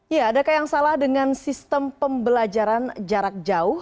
ya adakah yang salah dengan sistem pembelajaran jarak jauh